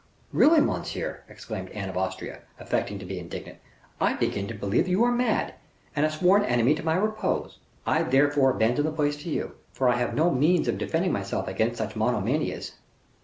"Really, Monsieur," exclaimed Anne of Austria, affecting to be indignant, "I begin to believe you are mad, and a sworn enemy to my repose. I therefore abandon the place to you, for I have no means of defending myself against such monomanias."